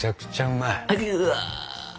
うわ！